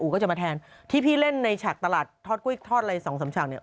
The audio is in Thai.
ก็จะมาแทนที่พี่เล่นในฉากตลาดทอดกุ้ยทอดอะไรสองสามฉากเนี่ย